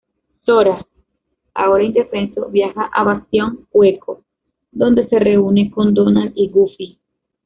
Sora, ahora indefenso, viaja a Bastión hueco, donde se reúne con Donald y Goofy.